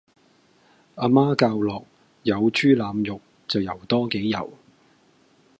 阿媽教落有豬腩肉就游多幾游